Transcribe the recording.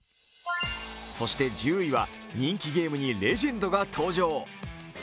そして１０位は、人気ゲームにレジェンドが登場。